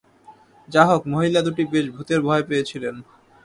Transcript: যা হোক, মহিলা দুটি বেশ ভূতের ভয় পেয়েছিলেন।